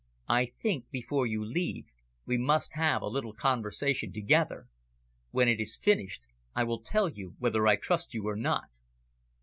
"I think, before you leave, we must have a little conversation together. When it is finished, I will tell you whether I trust you or not."